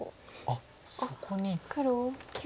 あっそこに。